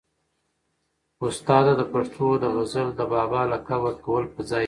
استاد ته د پښتو د غزل د بابا لقب ورکول په ځای دي.